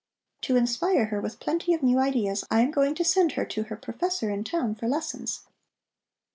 To inspire her with plenty of new ideas, I am going to send her to her professor in town for lessons.